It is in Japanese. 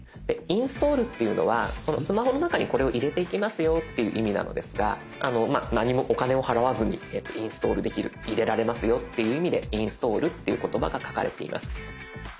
インストールっていうのはそのスマホの中にこれを入れていきますよっていう意味なのですが何もお金を払わずにインストールできる入れられますよっていう意味でインストールっていう言葉が書かれています。